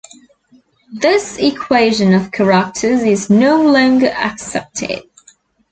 This equation of characters is no longer accepted.